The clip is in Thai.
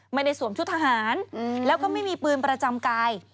สวมชุดทหารแล้วก็ไม่มีปืนประจำกาย